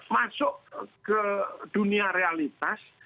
masuk ke dunia realitas